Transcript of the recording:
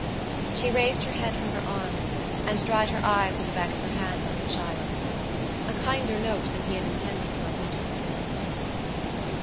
She raised her head from her arms and dried her eyes with the back of her hand like a child. A kinder note than he had intended went into his voice.